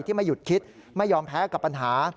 ไม่หยุดคิดไม่ยอมแพ้กับปัญหา